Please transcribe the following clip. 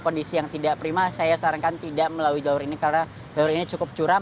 kondisi yang tidak prima saya sarankan tidak melalui jalur ini karena jalur ini cukup curam